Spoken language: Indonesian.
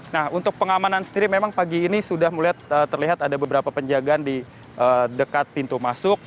nah untuk pengamanan sendiri memang pagi ini sudah mulai terlihat ada beberapa penjagaan di dekat pintu masuk